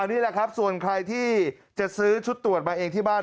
นี่แหละครับส่วนใครที่จะซื้อชุดตรวจมาเองที่บ้าน